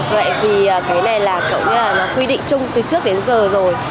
vậy vì cái này là quy định chung từ trước đến giờ rồi